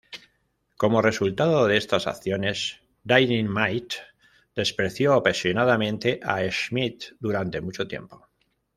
Como resultado de estas acciones, Dynamite despreció apasionadamente a Smith durante mucho tiempo.